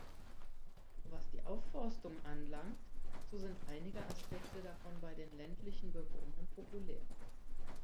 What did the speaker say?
Was die Aufforstung anlangt, so sind einige Aspekte davon bei den ländlichen Bewohnern populär.